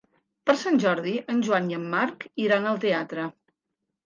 Per Sant Jordi en Joan i en Marc iran al teatre.